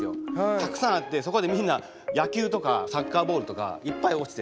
たくさんあってそこでみんな野球とかサッカーボールとかいっぱい落ちてて。